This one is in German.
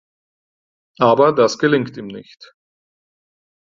Aber das gelingt ihm nicht.